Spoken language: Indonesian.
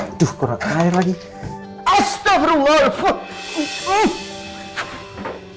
aduh kurang air lagi astagfirullahaladzim